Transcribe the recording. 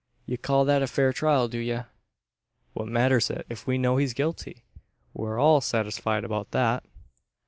Ye call that a fair trial, do ye?" "What matters it, if we know he's guilty? We're all satisfied about that."